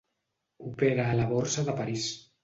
Opera a la Borsa de París.